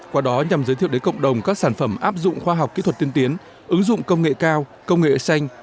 qua đó nhằm giới thiệu đến cộng đồng các sản phẩm áp dụng khoa học kỹ thuật tiên tiến ứng dụng công nghệ cao công nghệ xanh